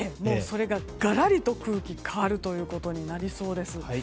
それががらりと空気変わるということになりそうです。